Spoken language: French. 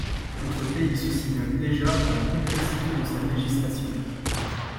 Notre pays se signale déjà par la complexité de sa législation.